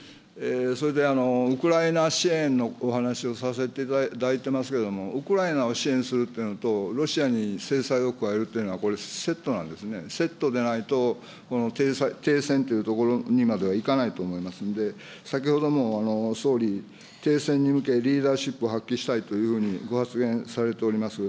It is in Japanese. それでウクライナ支援のお話をさせていただいてますけども、ウクライナを支援するっていうのと、ロシアに制裁を加えるっていうのは、これ、セットなんですね、セットでないと、停戦っていうところにまでいかないと思いますんで、先ほども総理、停戦に向け、リーダーシップを発揮したいというふうに、ご発言されております。